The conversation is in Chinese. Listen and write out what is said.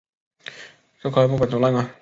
这块木板都烂了